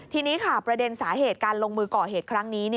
ทีนี้ค่ะประเด็นสาเหตุการลงมือก่อเหตุครั้งนี้